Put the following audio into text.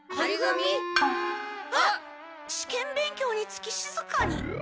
「試験勉強につき静かに！！」。